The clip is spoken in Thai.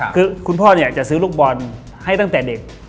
คือคุณพ่อเนี่ยจะซื้อลูกบอลให้ตั้งแต่เด็ก